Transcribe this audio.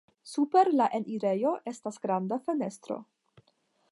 Super la enirejo estas granda fenestro.